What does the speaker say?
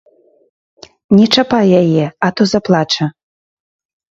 Не чапай яе, а то заплача!